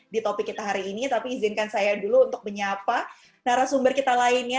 di topik kita hari ini tapi izinkan saya dulu untuk menyapa narasumber kita lainnya